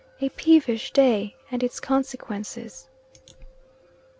A PEEVISH DAY AND ITS CONSEQUENCES.